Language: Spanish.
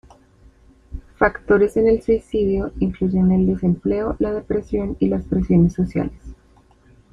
Factores en el suicidio incluyen el desempleo, la depresión, y las presiones sociales.